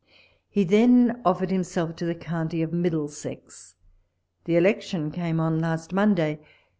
He then offered himself to the county of Middlesex. The elec tion came on last Monday.